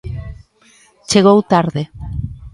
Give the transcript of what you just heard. Chegou tarde.